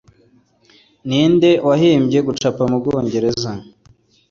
Ninde wahimbye gucapa mu Bwongereza